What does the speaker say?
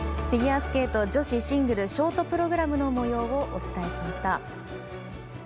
フィギュアスケート女子シングルショートプログラムをお伝えしました。